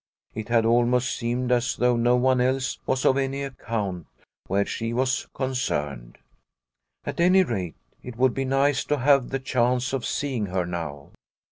It had almost seemed as though no one else was of any account where she was concerned. At any rate, it would be nice to have the chance of seeing her now.